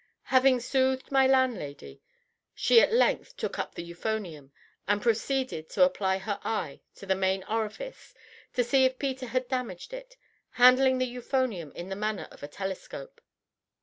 Having soothed my landlady, she at length took up the euphonium and proceeded to apply her eye to the main orifice to see if Peter had damaged it, handling the euphonium in the manner of a telescope.